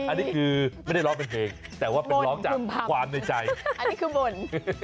อันนี้คือไม่ได้ร้องเป็นเพลงแต่ว่าเป็นร้องจากความในใจอันนี้คือบ่น